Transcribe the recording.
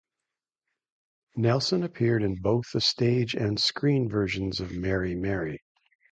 Nelson appeared in both the stage and screen versions of "Mary, Mary".